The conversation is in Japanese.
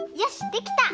できた！